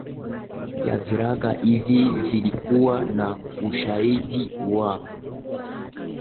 ya viraka hivi vilikuwa na ushahidi wa